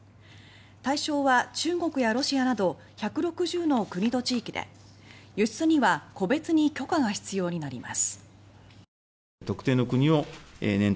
対象は中国やロシアなど１６０の国と地域で輸出には個別に許可が必要になります。